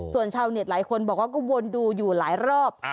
ส่วนชาวเน็ตหลายคนบอกว่าก็วนดูอยู่หลายรอบ